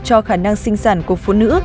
cho khả năng sinh sản của phụ nữ